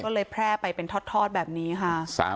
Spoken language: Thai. ก็เลยแพร่ไปเป็นทอดแบบนี้ค่ะ